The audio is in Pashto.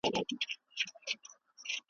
خاوند او ميرمن بايد يو د بل عيبونه پټ کړي.